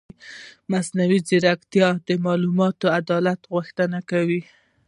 مصنوعي ځیرکتیا د معلوماتي عدالت غوښتنه کوي.